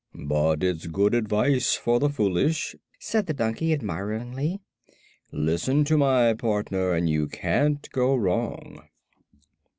"But it's good advice for the foolish," said the donkey, admiringly. "Listen to my partner, and you can't go wrong."